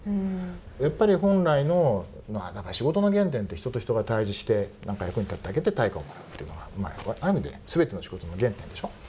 やっぱり本来のまあ、なんか仕事の原点って人と人が対じして何か役に立ってあげて対価をもらうっていうのはある意味ですべての仕事の原点でしょ。